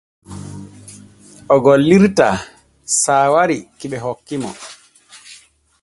O gollirtaa saawari ki ɓe hokki mo.